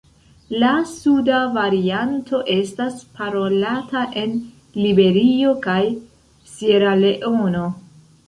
La suda varianto estas parolata en Liberio kaj Sieraleono.